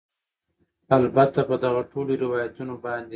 البته په دغه ټولو روایتونو باندې